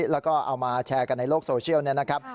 แล้วก็เอามาแชร์กันในโลกโซเชียลเนี่ยนะครับ